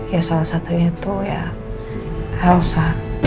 ya salah satunya tuh ya elsa